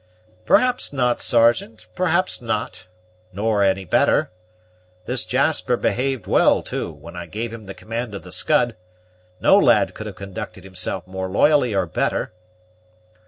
"Perhaps not, Sergeant, perhaps not; nor any better. This Jasper behaved well, too, when I gave him the command of the Scud; no lad could have conducted himself more loyally or better."